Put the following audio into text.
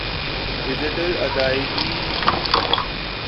digital ادائیگی م